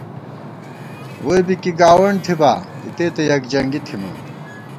ووئی بی کی گاوَنڈ تھِبا، اِتےتہ یَکجنگی تھِمان